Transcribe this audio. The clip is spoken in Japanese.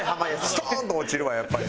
ストーンって落ちるわやっぱり。